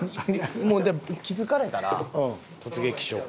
もう気付かれたら突撃しようか。